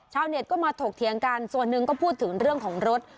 เน็ตก็มาถกเถียงกันส่วนหนึ่งก็พูดถึงเรื่องของรถ